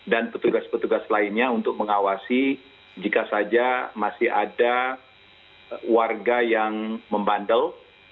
dan petugas petugas lainnya untuk mengawasi jika saja masih ada warga yang membandel